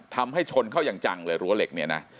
ทำให้ชนเข่ายังจังเป็นรั้วเหล็ก